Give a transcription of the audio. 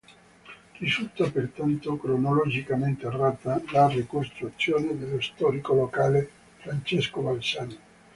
Risulta pertanto cronologicamente errata la ricostruzione dello storico locale Francesco Balzano.